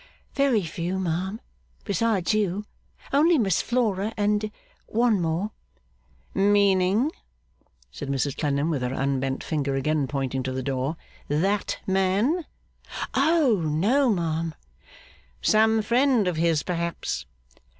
'Very few, ma'am. Besides you, only Miss Flora and one more.' 'Meaning,' said Mrs Clennam, with her unbent finger again pointing to the door, 'that man?' 'Oh no, ma'am!' 'Some friend of his, perhaps?